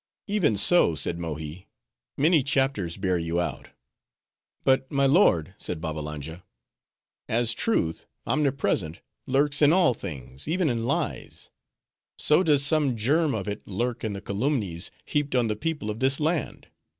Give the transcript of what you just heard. "Even so," said Mohi. "Many chapters bear you out." "But my lord," said Babbalanja, "as truth, omnipresent, lurks in all things, even in lies: so, does some germ of it lurk in the calumnies heaped on the people of this land.